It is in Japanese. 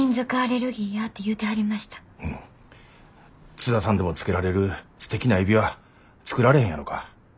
津田さんでも着けられるすてきな指輪作られへんやろか？